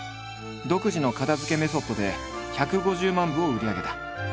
独自の片づけメソッドで１５０万部を売り上げた。